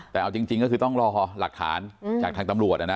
แต่เอาจริงก็คือต้องรอหลักฐานจากทางตำรวจ